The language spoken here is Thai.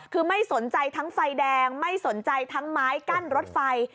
คือไม่สนใจทั้งไฟแดงไม่สนใจทั้งไม้กั้นรถไฟ